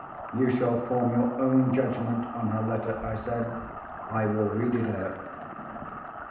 "You shall form your own judgment on her letter," I said. "I will read it out."